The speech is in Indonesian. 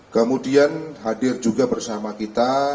kemudian hadir juga bersama kita